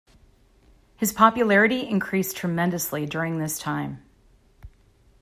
His popularity increased tremendously during this time.